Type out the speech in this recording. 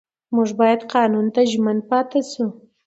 موږ باید قانون ته ژمن پاتې شو